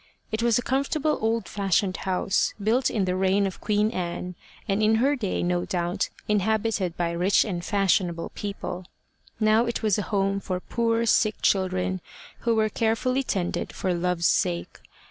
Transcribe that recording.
It was a comfortable old fashioned house, built in the reign of Queen Anne, and in her day, no doubt, inhabited by rich and fashionable people: now it was a home for poor sick children, who were carefully tended for love's sake.